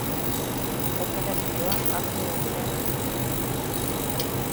Operazioa atzo goizean hasi zen.